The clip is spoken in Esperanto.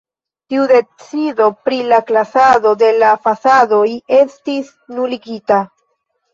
Tiu decido pri la klasado de la fasadoj estis nuligita.